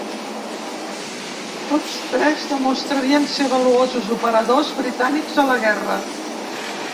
Tots tres demostrarien ser valuosos operadors britànics a la guerra.